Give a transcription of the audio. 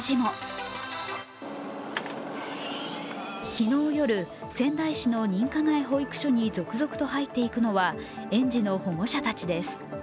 昨日夜、仙台市の認可外保育所に続々と入っていくのは園児の保護者たちです。